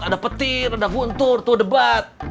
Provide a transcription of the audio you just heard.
ada petir ada guntur tuh debat